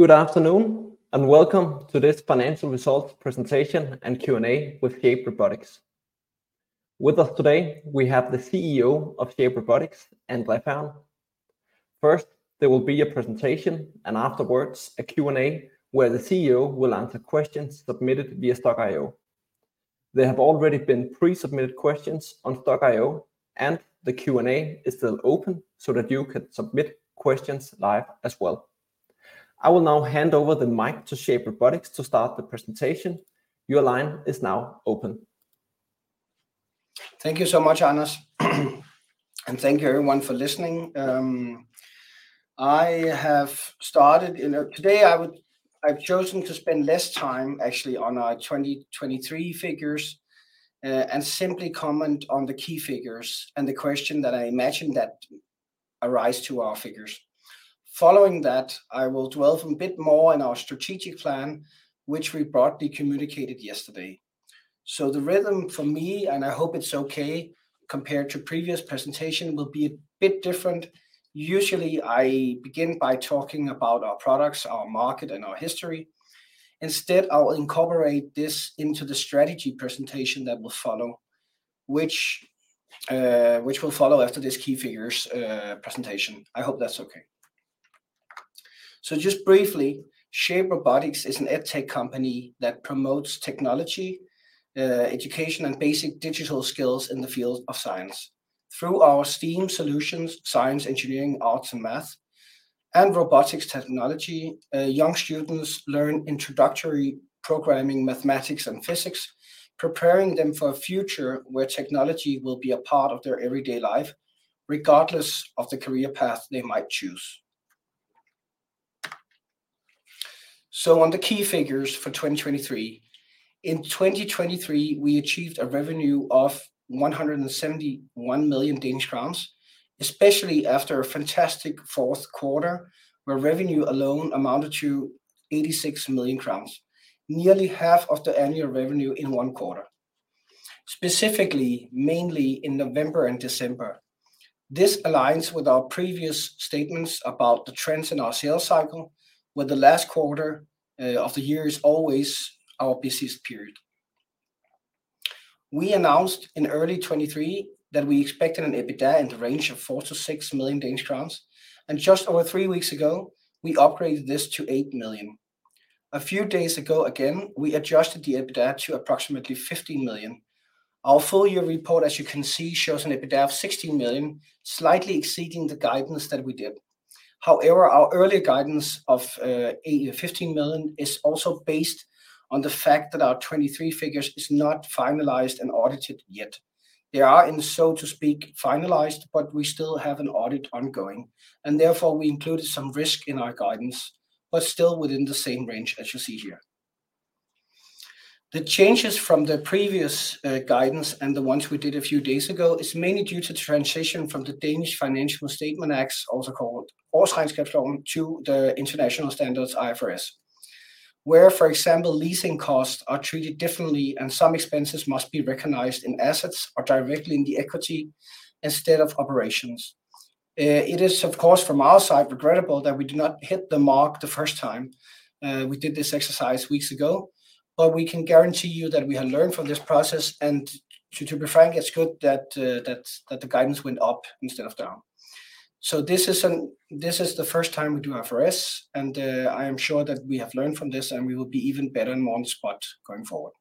Good afternoon, and welcome to this financial results presentation and Q&A with Shape Robotics. With us today, we have the CEO of Shape Robotics, André Fehrn. First, there will be a presentation, and afterwards, a Q&A, where the CEO will answer questions submitted via Stokk.io. There have already been pre-submitted questions on Stokk.io, and the Q&A is still open so that you can submit questions live as well. I will now hand over the mic to Shape Robotics to start the presentation. Your line is now open. Thank you so much, Anders, and thank you everyone for listening. I have started, you know, today I've chosen to spend less time actually on our 2023 figures, and simply comment on the key figures and the question that I imagine that arise to our figures. Following that, I will dwell a bit more on our strategic plan, which we broadly communicated yesterday. So the rhythm for me, and I hope it's okay, compared to previous presentation, will be a bit different. Usually, I begin by talking about our products, our market, and our history. Instead, I will incorporate this into the strategy presentation that will follow, which will follow after this key figures presentation. I hope that's okay. So just briefly, Shape Robotics is an EdTech company that promotes technology education, and basic digital skills in the field of science. Through our STEAM solutions, science, engineering, arts, and math, and robotics technology, young students learn introductory programming, mathematics, and physics, preparing them for a future where technology will be a part of their everyday life, regardless of the career path they might choose. On the key figures for 2023. In 2023, we achieved a revenue of 171 million Danish crowns, especially after a fantastic Q4, where revenue alone amounted to 86 million crowns, nearly half of the annual revenue in one quarter, specifically, mainly in November and December. This aligns with our previous statements about the trends in our sales cycle, where the last quarter of the year is always our busiest period. We announced in early 2023 that we expected an EBITDA in the range of 4 million-6 million Danish crowns, and just over three weeks ago, we upgraded this to 8 million. A few days ago, again, we adjusted the EBITDA to approximately 15 million. Our full-year report, as you can see, shows an EBITDA of 16 million, slightly exceeding the guidance that we did. However, our earlier guidance of 8 million-15 million is also based on the fact that our 2023 figures is not finalized and audited yet. They are, in so to speak, finalized, but we still have an audit ongoing, and therefore, we included some risk in our guidance, but still within the same range as you see here. The changes from the previous guidance and the ones we did a few days ago is mainly due to transition from the Danish Financial Statement Acts, also called Årsregnskabsloven, to the international standards, IFRS, where, for example, leasing costs are treated differently and some expenses must be recognized in assets or directly in the equity instead of operations. It is, of course, from our side, regrettable that we do not hit the mark the first time. We did this exercise weeks ago, but we can guarantee you that we have learned from this process, and, to be frank, it's good that the guidance went up instead of down. This is the first time we do IFRS, and I am sure that we have learned from this, and we will be even better and more on spot going forward.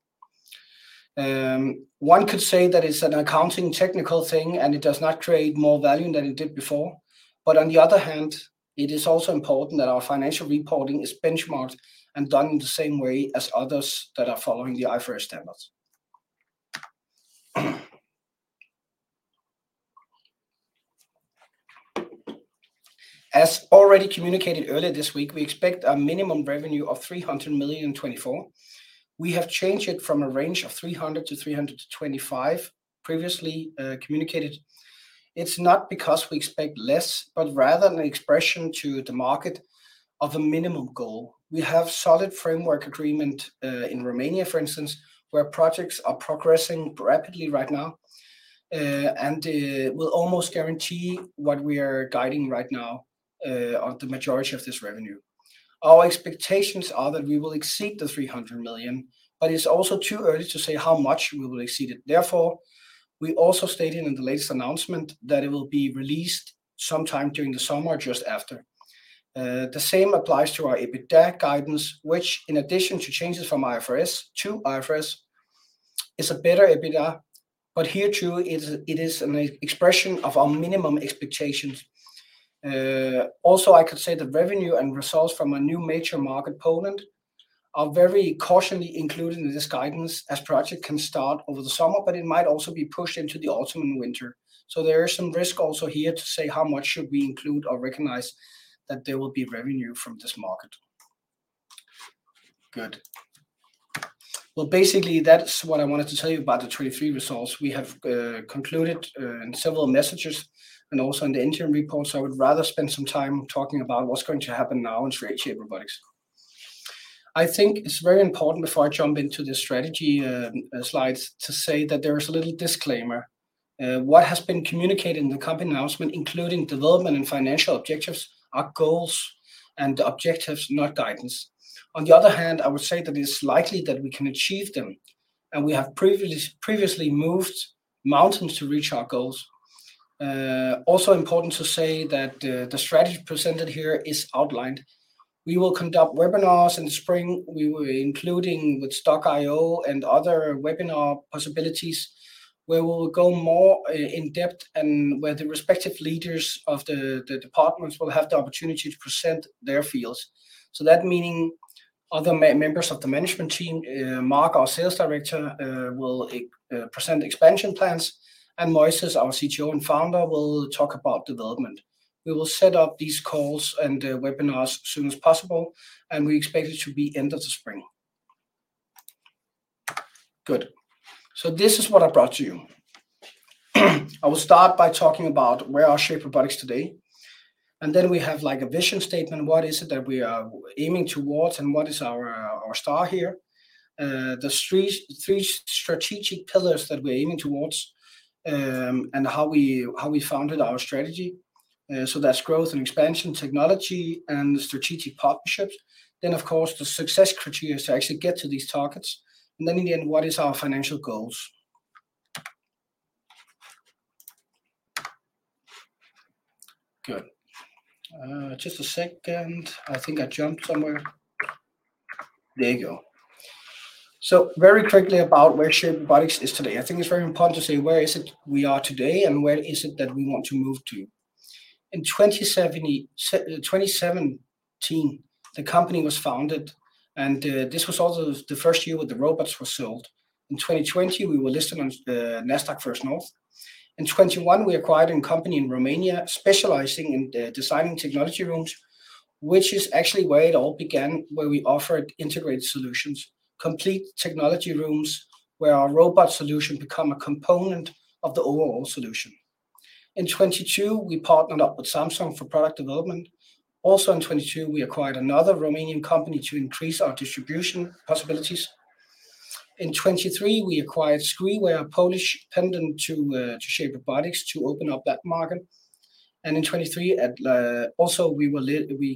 One could say that it's an accounting technical thing, and it does not create more value than it did before. But on the other hand, it is also important that our financial reporting is benchmarked and done in the same way as others that are following the IFRS standards. As already communicated earlier this week, we expect a minimum revenue of 300 million in 2024. We have changed it from a range of 300 million-325 million previously communicated. It's not because we expect less, but rather an expression to the market of a minimum goal. We have solid framework agreement in Romania, for instance, where projects are progressing rapidly right now and will almost guarantee what we are guiding right now on the majority of this revenue. Our expectations are that we will exceed 300 million, but it's also too early to say how much we will exceed it. Therefore, we also stated in the latest announcement that it will be released sometime during the summer, just after. The same applies to our EBITDA guidance, which, in addition to changes from IFRS to IFRS, is a better EBITDA, but here, too, it is an expression of our minimum expectations. Also, I could say the revenue and results from a new major market, Poland, are very cautiously included in this guidance, as project can start over the summer, but it might also be pushed into the autumn and winter. So there is some risk also here to say how much should we include or recognize that there will be revenue from this market. Good. Well, basically, that's what I wanted to tell you about the 2023 results. We have concluded in several messages and also in the interim reports. I would rather spend some time talking about what's going to happen now in Shape Robotics.... I think it's very important before I jump into the strategy slides, to say that there is a little disclaimer. What has been communicated in the company announcement, including development and financial objectives, are goals and objectives, not guidance. On the other hand, I would say that it's likely that we can achieve them, and we have previously moved mountains to reach our goals. Also important to say that the strategy presented here is outlined. We will conduct webinars in the spring. We will include with Stokk.io and other webinar possibilities, where we will go more in depth and where the respective leaders of the departments will have the opportunity to present their fields. So that meaning other members of the management team, Mark, our sales director, will present expansion plans, and Moises, our CTO and founder, will talk about development. We will set up these calls and webinars as soon as possible, and we expect it to be end of the spring. Good. So this is what I brought to you. I will start by talking about where are Shape Robotics today, and then we have, like, a vision statement, what is it that we are aiming towards, and what is our star here? The three strategic pillars that we're aiming towards, and how we founded our strategy. So that's growth and expansion, technology, and strategic partnerships. Then, of course, the success criteria to actually get to these targets, and then again, what is our financial goals? Good. Just a second. I think I jumped somewhere. There you go. So very quickly about where Shape Robotics is today. I think it's very important to say where is it we are today, and where is it that we want to move to. In 2017, the company was founded, and this was also the first year where the robots were sold. In 2020, we were listed on the Nasdaq First North. In 2021, we acquired a company in Romania specializing in designing technology rooms, which is actually where it all began, where we offered integrated solutions, complete technology rooms, where our robot solution become a component of the overall solution. In 2022, we partnered up with Samsung for product development. Also, in 2022, we acquired another Romanian company to increase our distribution possibilities. In 2023, we acquired Skriware, a Polish pendant to Shape Robotics to open up that market. And in 2023, also we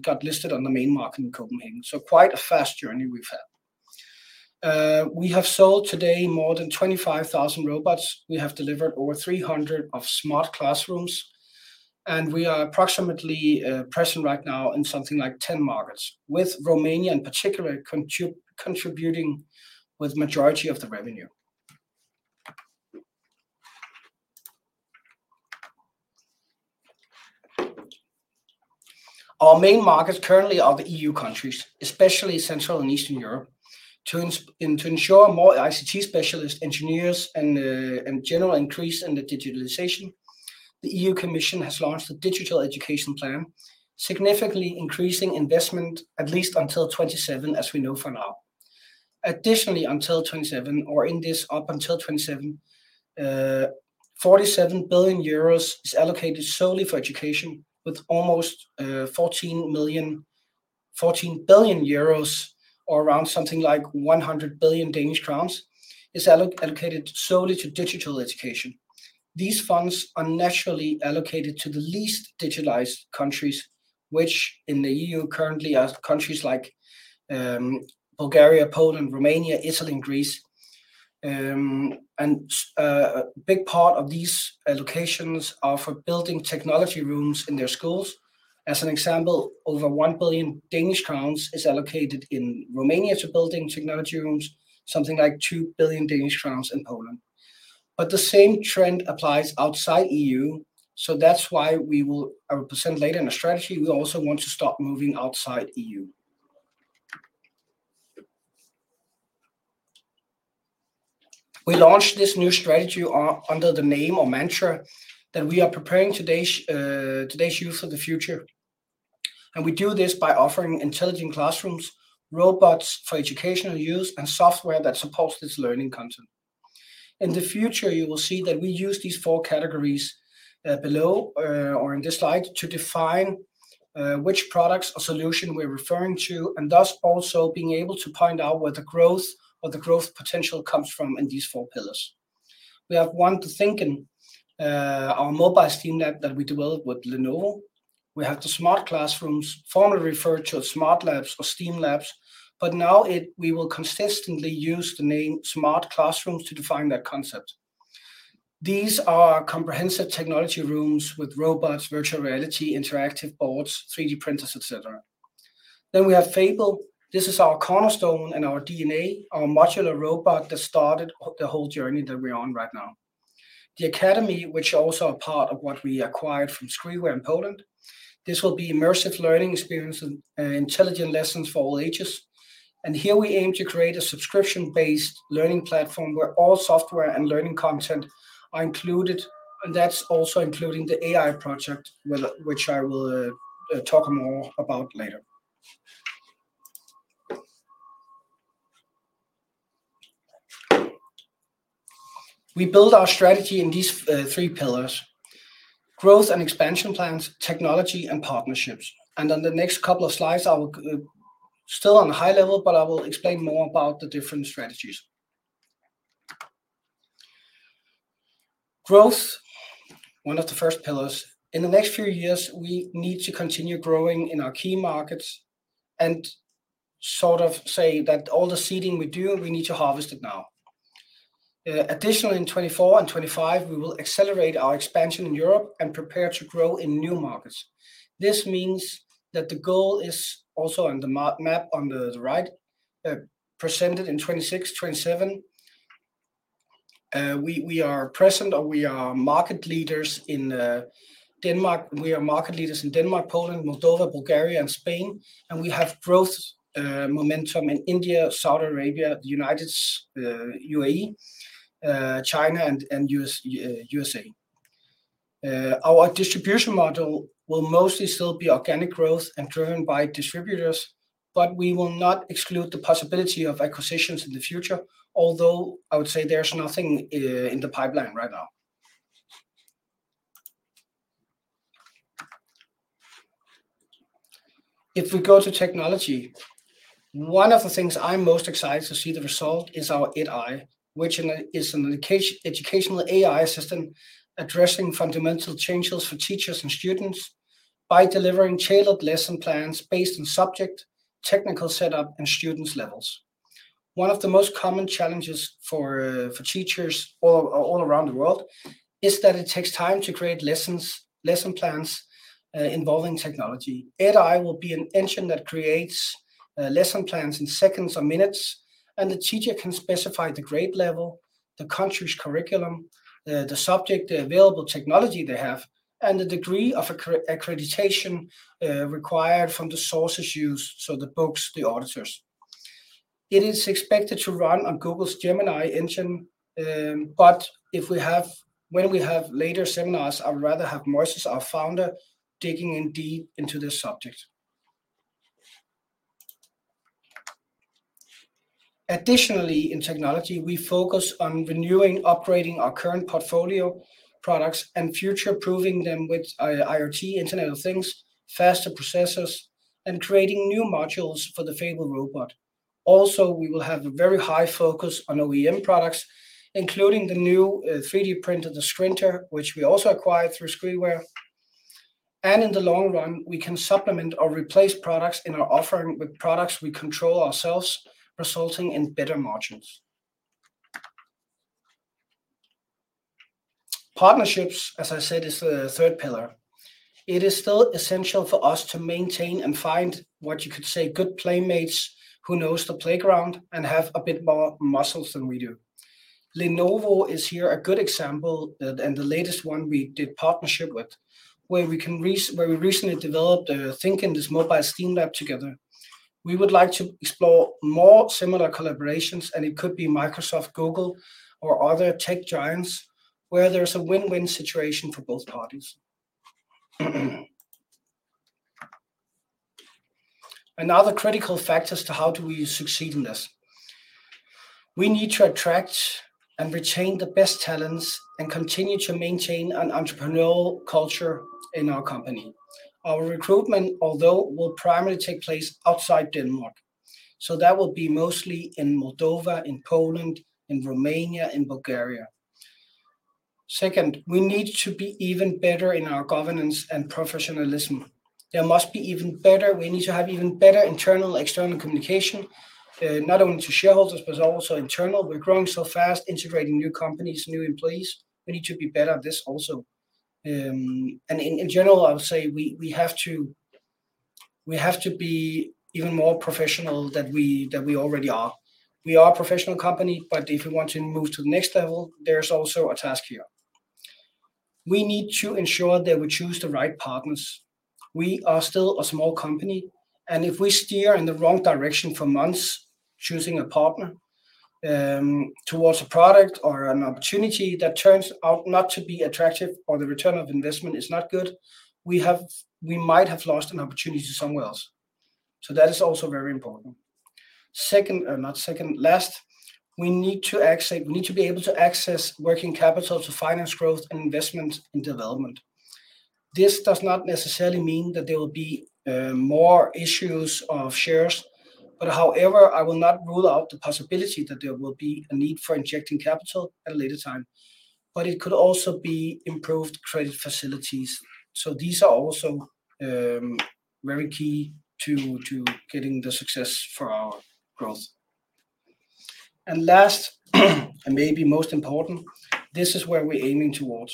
got listed on the main market in Copenhagen, so quite a fast journey we've had. We have sold today more than 25,000 robots. We have delivered over 300 of smart classrooms, and we are approximately present right now in something like 10 markets, with Romania in particular contributing with majority of the revenue. Our main markets currently are the EU countries, especially Central and Eastern Europe. To ensure more ICT specialist, engineers, and general increase in the digitalization, the EU Commission has launched a digital education plan, significantly increasing investment at least until 2027, as we know for now. Additionally, until 2027, or in this, up until 2027, 47 billion euros is allocated solely for education, with almost 14 billion euros or around something like 100 billion Danish crowns, is allocated solely to digital education. These funds are naturally allocated to the least digitalized countries, which in the EU currently are countries like, Bulgaria, Poland, Romania, Italy, and Greece. And a big part of these allocations are for building technology rooms in their schools. As an example, over 1 billion Danish crowns is allocated in Romania to building technology rooms, something like 2 billion Danish crowns in Poland. But the same trend applies outside EU, so that's why we will, I will present later in the strategy, we also want to start moving outside EU. We launched this new strategy under the name or mantra that we are preparing today's, today's youth for the future, and we do this by offering intelligent classrooms, robots for educational use, and software that supports this learning content. In the future, you will see that we use these four categories below, or in this slide, to define which products or solution we're referring to, and thus also being able to point out where the growth or the growth potential comes from in these four pillars. We have one, the Thinkin, our mobile STEAM lab that we developed with Lenovo. We have the Smart Classrooms, formerly referred to as Smart Labs or STEAM Labs, but now we will consistently use the name Smart Classrooms to define that concept. These are comprehensive technology rooms with robots, virtual reality, interactive boards, 3D printers, et cetera. Then we have Fable. This is our cornerstone and our DNA, our modular robot that started the whole journey that we're on right now. The Academy, which also a part of what we acquired from Skriware in Poland, this will be immersive learning experience and intelligent lessons for all ages. Here we aim to create a subscription-based learning platform where all software and learning content are included, and that's also including the AI project, with which I will talk more about later. We build our strategy in these three pillars: growth and expansion plans, technology, and partnerships. On the next couple of slides, I will still on a high level, but I will explain more about the different strategies. Growth, one of the first pillars. In the next few years, we need to continue growing in our key markets and sort of say that all the seeding we do, we need to harvest it now. Additionally, in 2024 and 2025, we will accelerate our expansion in Europe and prepare to grow in new markets. This means that the goal is also on the map on the right, presented in 2026, 2027. We are market leaders in Denmark, Poland, Moldova, Bulgaria, and Spain, and we have growth momentum in India, Saudi Arabia, UAE, China, and USA. Our distribution model will mostly still be organic growth and driven by distributors, but we will not exclude the possibility of acquisitions in the future, although I would say there's nothing in the pipeline right now. If we go to technology, one of the things I'm most excited to see the result is our EdAI, which is an educational AI system addressing fundamental changes for teachers and students by delivering tailored lesson plans based on subject, technical setup, and students' levels. One of the most common challenges for teachers all around the world is that it takes time to create lessons, lesson plans involving technology. EdAI will be an engine that creates lesson plans in seconds or minutes, and the teacher can specify the grade level, the country's curriculum, the subject, the available technology they have, and the degree of accreditation required from the sources used, so the books, the auditors. It is expected to run on Google's Gemini engine, but if we have later seminars, I would rather have Moises, our founder, digging in deep into this subject. Additionally, in technology, we focus on renewing, upgrading our current portfolio products, and future-proofing them with IoT, Internet of Things, faster processors, and creating new modules for the Fable robot. Also, we will have a very high focus on OEM products, including the new 3D printer, the Skrinter, which we also acquired through Skriware. In the long run, we can supplement or replace products in our offering with products we control ourselves, resulting in better margins. Partnerships, as I said, is the third pillar. It is still essential for us to maintain and find, what you could say, good playmates who knows the playground and have a bit more muscles than we do. Lenovo is here a good example, and the latest one we did partnership with, where we recently developed Thinkin and this Mobile STEAM Lab together. We would like to explore more similar collaborations, and it could be Microsoft, Google, or other tech giants, where there's a win-win situation for both parties. Another critical factor as to how do we succeed in this? We need to attract and retain the best talents and continue to maintain an entrepreneurial culture in our company. Our recruitment, although, will primarily take place outside Denmark, so that will be mostly in Moldova, in Poland, in Romania, in Bulgaria. Second, we need to be even better in our governance and professionalism. There must be even better. We need to have even better internal, external communication, not only to shareholders, but also internal. We're growing so fast, integrating new companies, new employees. We need to be better at this also. And in general, I would say we have to be even more professional than we already are. We are a professional company, but if we want to move to the next level, there's also a task here. We need to ensure that we choose the right partners. We are still a small company, and if we steer in the wrong direction for months, choosing a partner, towards a product or an opportunity that turns out not to be attractive or the return on investment is not good, we have. We might have lost an opportunity somewhere else. So that is also very important. Second, not second, last we need to be able to access working capital to finance growth and investment in development. This does not necessarily mean that there will be more issues of shares, but however, I will not rule out the possibility that there will be a need for injecting capital at a later time. But it could also be improved credit facilities, so these are also very key to getting the success for our growth. And last, and maybe most important, this is where we're aiming towards.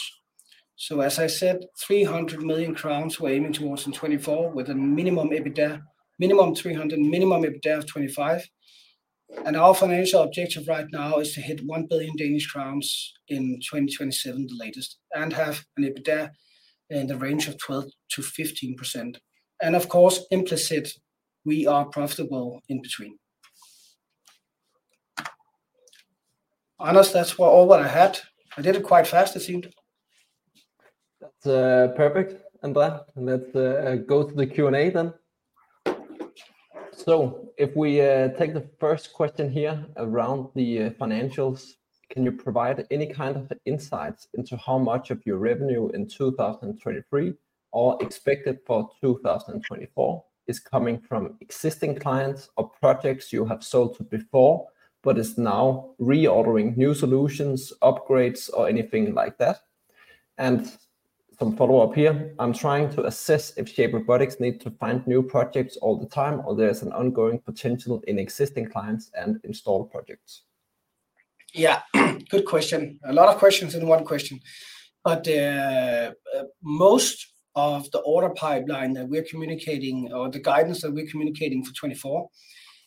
So as I said, 300 million crowns we're aiming towards in 2024, with a minimum EBITDA, minimum 300, minimum EBITDA of 25. And our financial objective right now is to hit 1 billion Danish crowns in 2027, the latest, and have an EBITDA in the range of 12%-15%. Of course, implicit, we are profitable in between. Anders, that's all what I had. I did it quite fast, it seemed. That's, perfect, André. Let's, go to the Q&A then.... So if we, take the first question here around the, financials, can you provide any kind of insights into how much of your revenue in 2023 or expected for 2024 is coming from existing clients or projects you have sold to before, but is now reordering new solutions, upgrades, or anything like that? And some follow-up here, I'm trying to assess if Shape Robotics need to find new projects all the time, or there's an ongoing potential in existing clients and installed projects. Yeah. Good question. A lot of questions in one question, but most of the order pipeline that we're communicating or the guidance that we're communicating for 2024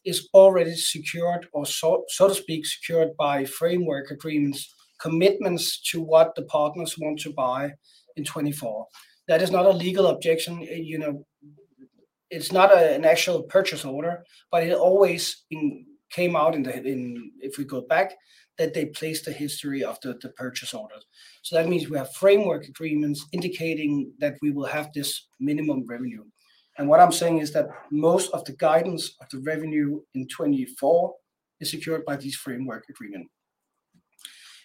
is already secured, or so to speak, secured by framework agreements, commitments to what the partners want to buy in 2024. That is not a legal obligation, you know, it's not a, an actual purchase order, but it always came out in the history of the purchase orders. So that means we have framework agreements indicating that we will have this minimum revenue. And what I'm saying is that most of the guidance of the revenue in 2024 is secured by these framework agreement.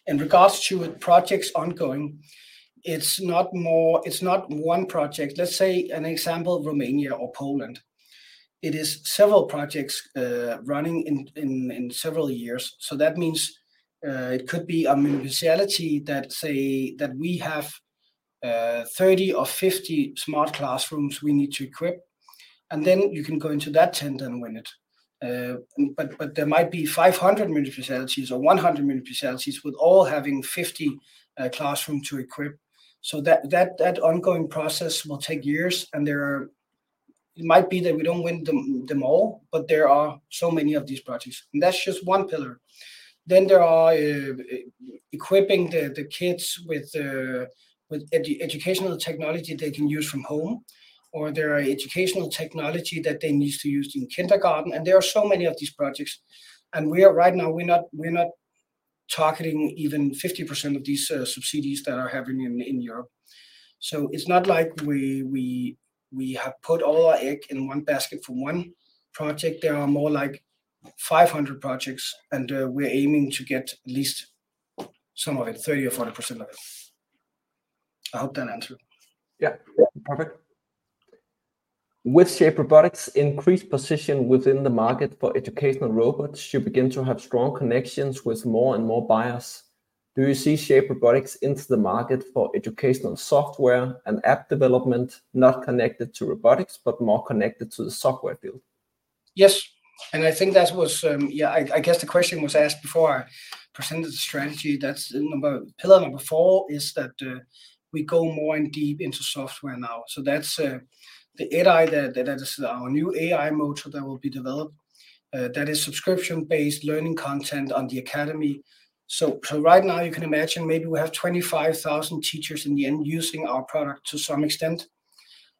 In regards to projects ongoing, it's not one project. Let's say an example, Romania or Poland. It is several projects running in several years. So that means it could be a municipality that say that we have 30 or 50 smart classrooms we need to equip, and then you can go into that tender and win it. But there might be 500 municipalities or 100 municipalities, with all having 50 classrooms to equip. So that ongoing process will take years, and there are. It might be that we don't win them all, but there are so many of these projects, and that's just one pillar. Then there are equipping the kids with educational technology they can use from home, or there are educational technology that they need to use in kindergarten, and there are so many of these projects. We are right now, we're not targeting even 50% of these subsidies that are happening in Europe. So it's not like we have put all our egg in one basket for one project. There are more like 500 projects, and we're aiming to get at least some of it, 30% or 40% of it. I hope that answered. Yeah. Perfect. With Shape Robotics' increased position within the market for educational robots, you begin to have strong connections with more and more buyers. Do you see Shape Robotics into the market for educational software and app development, not connected to robotics, but more connected to the software build? Yes, and I think that was. Yeah, I guess the question was asked before I presented the strategy. That's pillar number 4, is that we go more in-depth into software now. So that's the AI that is our new AI motor that will be developed. That is subscription-based learning content on the academy. So right now, you can imagine maybe we have 25,000 teachers in the end using our product to some extent,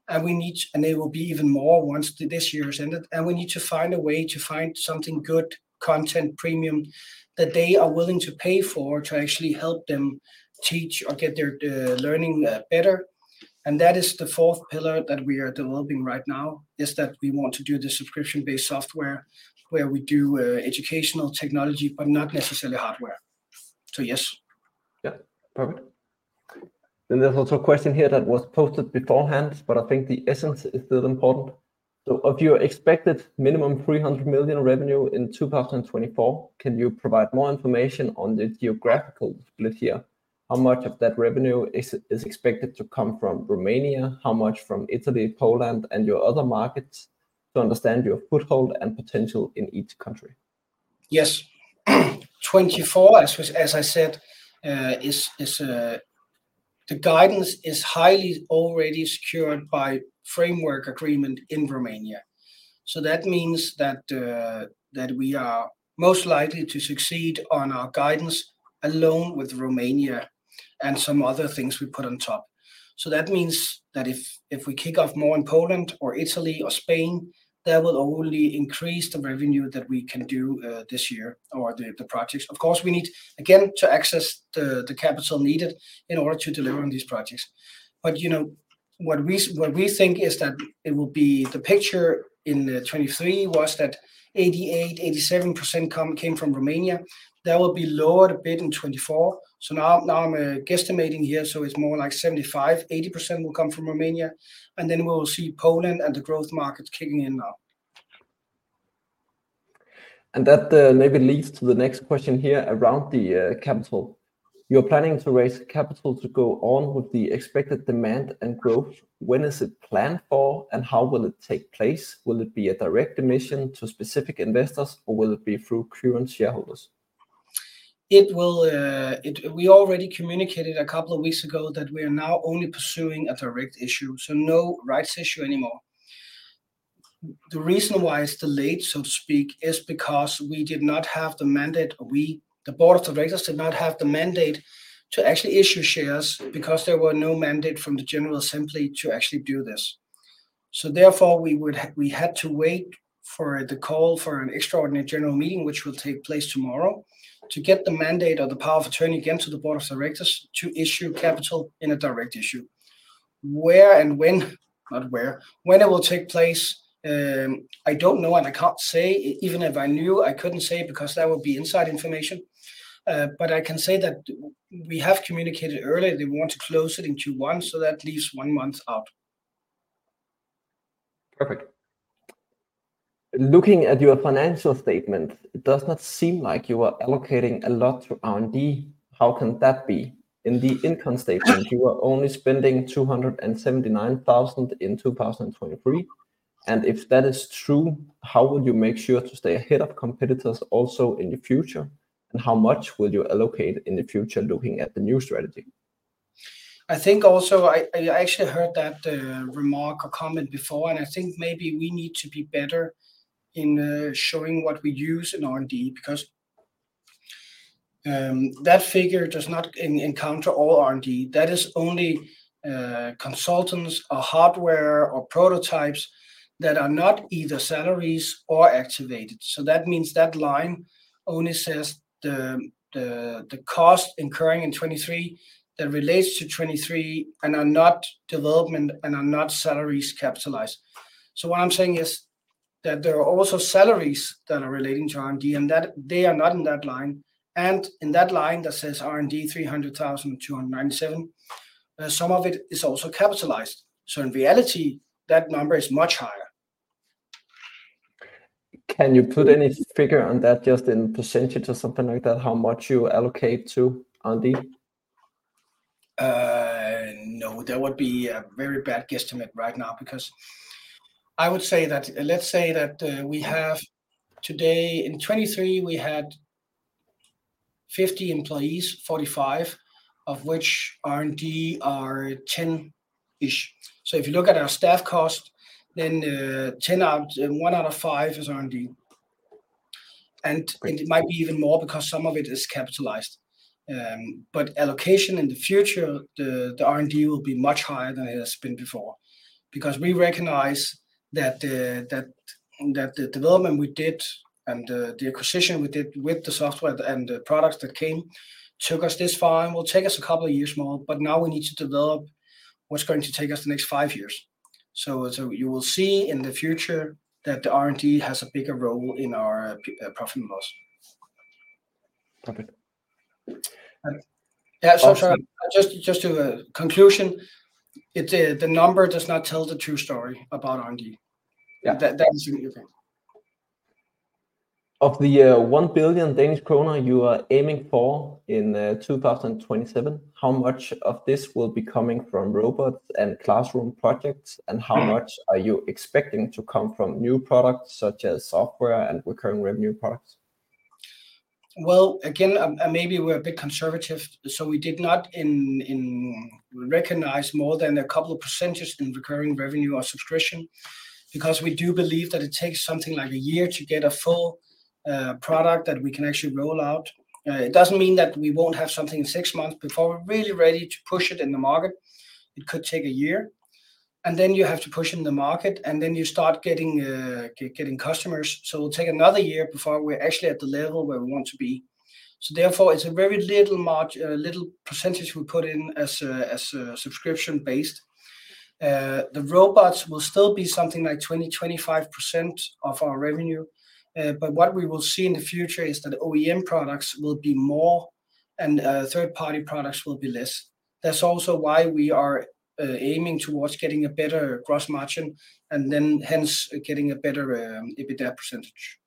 and we need. And there will be even more once this year is ended, and we need to find a way to find something good, premium content, that they are willing to pay for to actually help them teach or get their learning better. That is the fourth pillar that we are developing right now, is that we want to do the subscription-based software, where we do educational technology, but not necessarily hardware. So, yes. Yeah, perfect. Then there's also a question here that was posted beforehand, but I think the essence is still important. So of your expected minimum 300 million revenue in 2024, can you provide more information on the geographical split here? How much of that revenue is expected to come from Romania, how much from Italy, Poland, and your other markets, to understand your foothold and potential in each country? Yes. 2024, as I said, is the guidance is highly already secured by framework agreement in Romania. So that means that we are most likely to succeed on our guidance alone with Romania and some other things we put on top. So that means that if we kick off more in Poland or Italy or Spain, that will only increase the revenue that we can do this year or the projects. Of course, we need, again, to access the capital needed in order to deliver on these projects. But, you know, what we think is that it will be the picture in the 2023 was that 87%-88% came from Romania. That will be lowered a bit in 2024. So now, now I'm guesstimating here, so it's more like 75%-80% will come from Romania, and then we will see Poland and the growth markets kicking in now. That maybe leads to the next question here around the capital. You're planning to raise capital to go on with the expected demand and growth. When is it planned for, and how will it take place? Will it be a direct emission to specific investors, or will it be through current shareholders? It will... we already communicated a couple of weeks ago that we are now only pursuing a direct issue, so no rights issue anymore. The reason why it's delayed, so to speak, is because we did not have the mandate. We, the board of directors, did not have the mandate to actually issue shares because there were no mandate from the general assembly to actually do this. So therefore, we had to wait for the call for an extraordinary general meeting, which will take place tomorrow, to get the mandate or the power of attorney again to the board of directors to issue capital in a direct issue... where and when, not where, when it will take place, I don't know, and I can't say. Even if I knew, I couldn't say because that would be inside information. I can say that we have communicated earlier. They want to close it in Q1, so that leaves one month out. Perfect. Looking at your financial statement, it does not seem like you are allocating a lot to R&D. How can that be? In the income statement, you are only spending 279,000 in 2023. And if that is true, how will you make sure to stay ahead of competitors also in the future, and how much will you allocate in the future looking at the new strategy? I think also I actually heard that remark or comment before, and I think maybe we need to be better in showing what we use in R&D because that figure does not encounter all R&D. That is only consultants or hardware or prototypes that are not either salaries or activated. So that means that line only says the cost incurring in 2023, that relates to 2023 and are not development and are not salaries capitalized. So what I'm saying is that there are also salaries that are relating to R&D, and that they are not in that line. And in that line that says R&D 300,297, some of it is also capitalized. So in reality, that number is much higher. Can you put any figure on that, just in percentage or something like that, how much you allocate to R&D? No, that would be a very bad guesstimate right now, because I would say that... Let's say that, we have today, in 2023, we had 50 employees, 45 of which R&D are 10-ish. So if you look at our staff cost, then, 1/5 is R&D, and it might be even more because some of it is capitalized. But allocation in the future, the R&D will be much higher than it has been before, because we recognize that the development we did and the acquisition we did with the software and the products that came took us this far and will take us a couple of years more, but now we need to develop what's going to take us the next five years. So, you will see in the future that the R&D has a bigger role in our profit and loss. Perfect. Yeah. So, just to the conclusion, the number does not tell the true story about R&D. Yeah. That, that is the real thing. Of the 1 billion Danish kroner you are aiming for in 2027, how much of this will be coming from robots and classroom projects, and how much are you expecting to come from new products such as software and recurring revenue products? Well, again, maybe we're a bit conservative, so we did not recognize more than a couple of percentages in recurring revenue or subscription, because we do believe that it takes something like a year to get a full product that we can actually roll out. It doesn't mean that we won't have something in six months before we're ready to push it in the market. It could take a year, and then you have to push in the market, and then you start getting customers. So it'll take another year before we're actually at the level where we want to be. So therefore, it's a very little percentage we put in as a subscription-based. The robots will still be something like 20%-25% of our revenue. what we will see in the future is that OEM products will be more and third-party products will be less. That's also why we are aiming towards getting a better gross margin and then hence getting a better EBITDA percentage.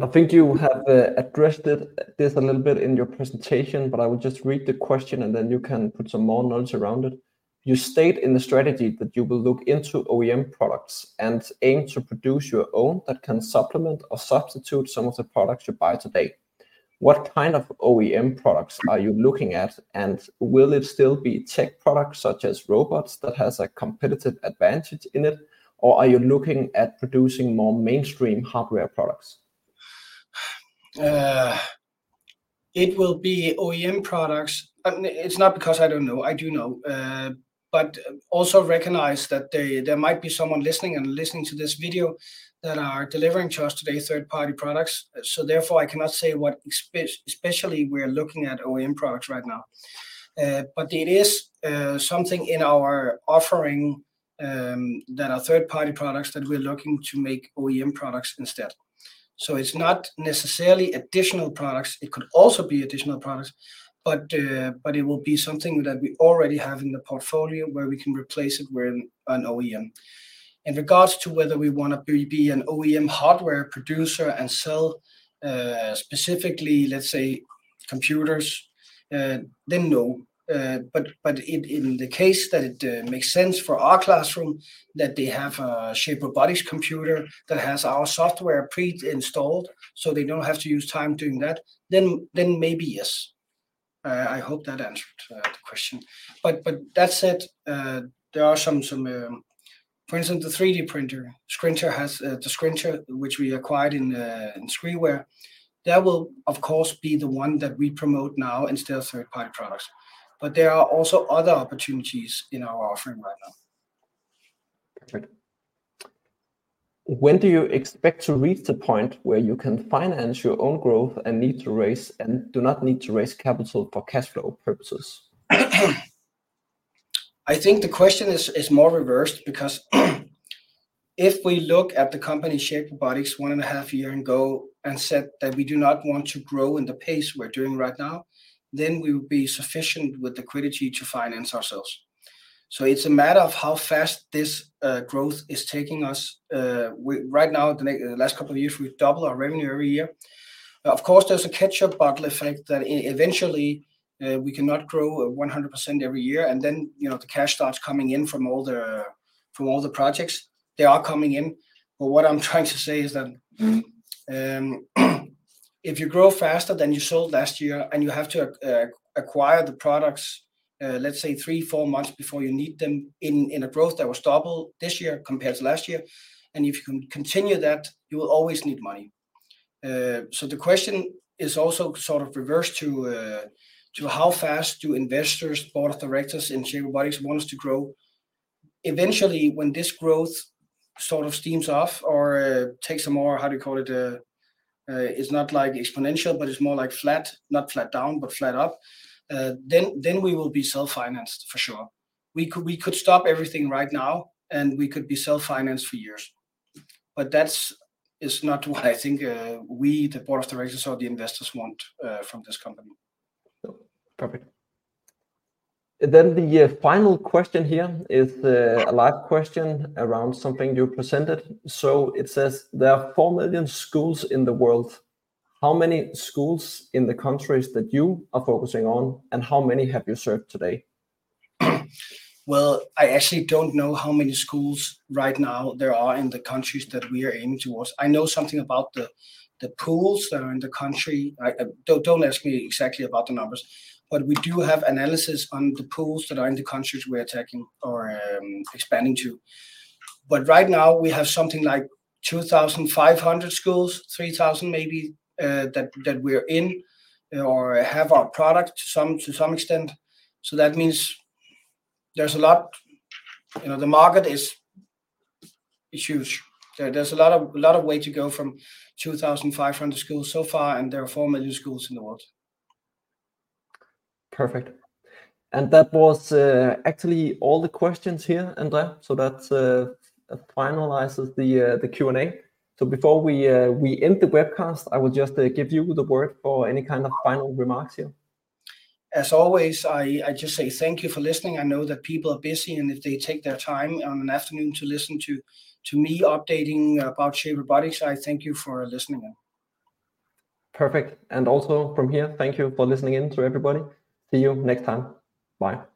I think you have addressed it a little bit in your presentation, but I will just read the question, and then you can put some more notes around it. You state in the strategy that you will look into OEM products and aim to produce your own that can supplement or substitute some of the products you buy today. What kind of OEM products are you looking at, and will it still be tech products such as robots, that has a competitive advantage in it, or are you looking at producing more mainstream hardware products? It will be OEM products. It's not because I don't know, I do know, but also recognize that there might be someone listening to this video that are delivering to us today third-party products. So therefore, I cannot say what especially we are looking at OEM products right now. But it is something in our offering that are third-party products that we're looking to make OEM products instead. So it's not necessarily additional products. It could also be additional products, but it will be something that we already have in the portfolio where we can replace it with an OEM. In regards to whether we wanna be an OEM hardware producer and sell specifically, let's say, computers, then no. But in the case that it makes sense for our classroom, that they have a Shape Robotics computer that has our software pre-installed, so they don't have to use time doing that, then maybe yes. I hope that answered the question. But that said, there are some - for instance, the 3D printer, Sprinter, has the Sprinter, which we acquired in Skriware. That will, of course, be the one that we promote now instead of third-party products, but there are also other opportunities in our offering right now. Perfect. When do you expect to reach the point where you can finance your own growth and need to raise, and do not need to raise capital for cash flow purposes? I think the question is more reversed because if we look at the company Shape Robotics one-and-a-half years ago and said that we do not want to grow in the pace we're doing right now, then we would be sufficient with the equity to finance ourselves. So it's a matter of how fast this growth is taking us. Right now, the last couple of years, we've doubled our revenue every year. Of course, there's a ketchup bottle effect that eventually we cannot grow 100% every year, and then, you know, the cash starts coming in from all the projects. They are coming in, but what I'm trying to say is that if you grow faster than you sold last year and you have to acquire the products, let's say three or four months before you need them in a growth that was double this year compared to last year, and if you can continue that, you will always need money. So the question is also sort of reversed to how fast do investors, board of directors in Shape Robotics wants to grow? Eventually, when this growth sort of steams off or takes a more, how do you call it? It's not like exponential, but it's more like flat, not flat down, but flat up, then we will be self-financed for sure. We could, we could stop everything right now, and we could be self-financed for years, but that's not what I think we, the board of directors or the investors want from this company. Perfect. Then the final question here is a live question around something you presented. So it says, "There are 4 million schools in the world. How many schools in the countries that you are focusing on, and how many have you served today? Well, I actually don't know how many schools right now there are in the countries that we are aiming towards. I know something about the pools that are in the country. Don't ask me exactly about the numbers, but we do have analysis on the pools that are in the countries we're attacking or expanding to. But right now we have something like 2,500 schools, 3,000 maybe, that we're in or have our product to some extent. So that means there's a lot. You know, the market is huge. There's a lot of way to go from 2,500 schools so far, and there are 4 million schools in the world. Perfect. And that was, actually, all the questions here, André. So that finalizes the Q&A. So before we end the webcast, I will just give you the word for any kind of final remarks here. As always, I just say thank you for listening. I know that people are busy, and if they take their time on an afternoon to listen to me updating about Shape Robotics, I thank you for listening in. Perfect. And also from here, thank you for listening in to everybody. See you next time. Bye.